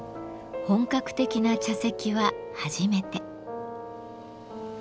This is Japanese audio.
本格的な茶席は初めて。